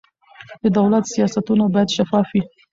د دولت سیاستونه باید شفاف وي